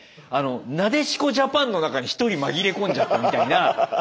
なでしこジャパンの中に一人紛れ込んじゃったみたいな。